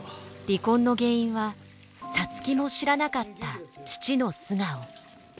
離婚の原因は皐月も知らなかった父の素顔。